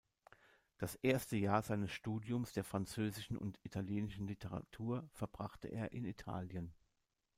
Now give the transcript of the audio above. Das erste Jahr seines Studiums der französischen und italienischen Literatur verbrachte er in Italien.